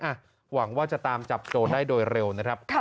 หวังว่าจะตามจับโจรได้โดยเร็วนะครับ